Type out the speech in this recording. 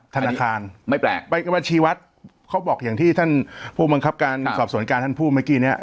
ธนาคารไม่แปลกไปกับบัญชีวัดเขาบอกอย่างที่ท่านผู้บังคับการสอบสวนการท่านพูดเมื่อกี้เนี้ย